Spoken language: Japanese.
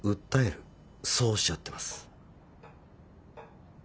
そうおっしゃってます。